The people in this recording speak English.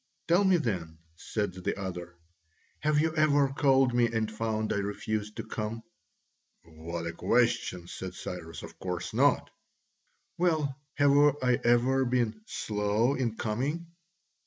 "Tell me then," said the other, "have you ever called me and found I refused to come?" "What a question!" said Cyrus, "of course not." "Well, have I ever been slow in coming?"